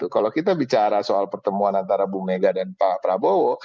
kalau kita bicara soal pertemuan antara bu mega dan pak prabowo